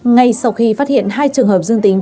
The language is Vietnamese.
ngay sau khi phát hiện hai trường hợp dương tính